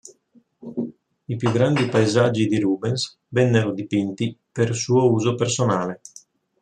I più grandi paesaggi di Rubens vennero dipinti per suo uso personale.